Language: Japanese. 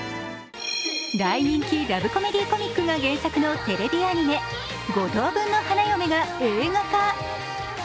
大人気ラブコメディーコミックが原作のテレビアニメ「五等分の花嫁」が映画化。